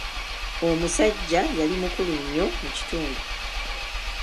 Omusajja yali mukulu nnyo mu kitundu.